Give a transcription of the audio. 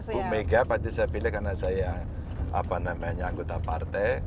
bu mega pasti saya pilih karena saya anggota partai